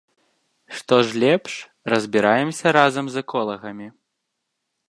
Што ж лепш, разбіраемся разам з эколагамі.